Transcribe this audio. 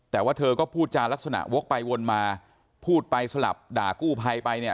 แต่ว่าเธอก็พูดจารักษณะวกไปวนมาพูดไปสลับด่ากู้ภัยไปเนี่ย